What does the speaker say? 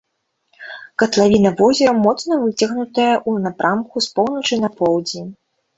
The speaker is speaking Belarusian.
Катлавіна возера моцна выцягнутая ў напрамку з поўначы на поўдзень.